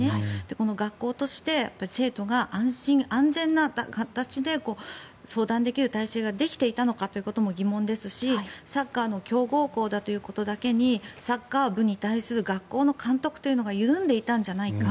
この学校として生徒が安心安全な形で相談できる体制ができていたのかも疑問ですし、サッカーの強豪校ということだけにサッカー部に対する学校の監督というのが緩んでいたんじゃないか。